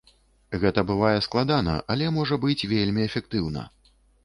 Гэта бывае складана, але можа быць вельмі эфектыўна.